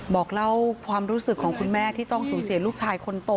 บอกเล่าความรู้สึกของคุณแม่ที่ต้องสูญเสียลูกชายคนโต